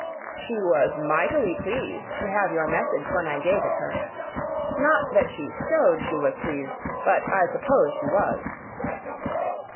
"She was mightily pleased to have your message, when I gave it her. Not that she showed she was pleased, but I suppose she was."